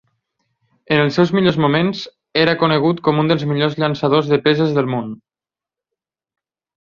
En el seu millors moments, era conegut com un dels millors llançadors de peses del món.